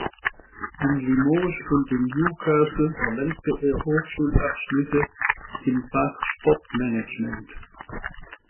In Limoges und in Newcastle erlangte er Hochschulabschlüsse im Fach Sportmanagement.